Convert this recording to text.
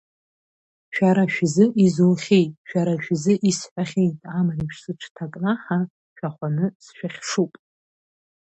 Шәара шәзы изухьеит, шәара шәзы исҳәахьеит, амреиԥш сыҽҭакнаҳа, шәахәаны сшәыхьшуп!